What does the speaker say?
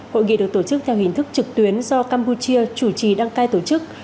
hội nghị được tổ chức theo hình thức trực tuyến do campuchia chủ trì đăng cai tổ chức